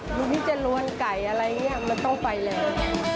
หรือพี่จะล้วนไก่อะไรอย่างนี้มันต้องไปแล้ว